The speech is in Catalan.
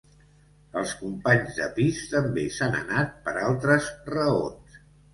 Els companys de pis també s'han anat per altres raons.